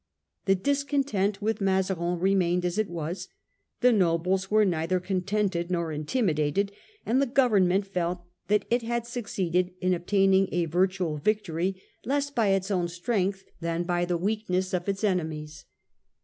The discontent with Mazarin remained as it was, the nobles were neither contented nor intimidated, and the Government felt that it had succeeded in obtaining a virtual victory less by its own strength than by the weakness of its enemies.